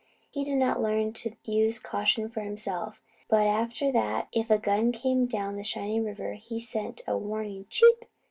He did not learn to use caution for himself; but after that, if a gun came down the shining river, he sent a warning "Chip!"